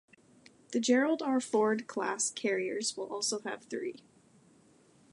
The "Gerald R. Ford"-class carriers will also have three.